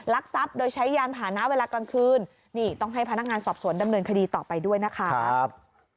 ทรัพย์โดยใช้ยานผ่านนะเวลากลางคืนนี่ต้องให้พนักงานสอบสวนดำเนินคดีต่อไปด้วยนะคะ